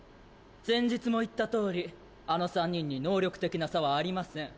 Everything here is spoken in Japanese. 先日も言ったとおりあの三人に能力的な差はありません